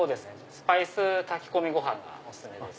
スパイス炊き込みご飯がお薦めです。